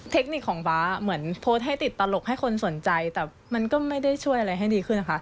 เทคนิคของฟ้าเหมือนโพสต์ให้ติดตลกให้คนสนใจแต่มันก็ไม่ได้ช่วยอะไรให้ดีขึ้นนะคะ